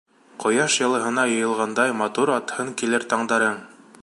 Ҡояш йылыһына йыйылғандай, Матур атһын килер таңдарың.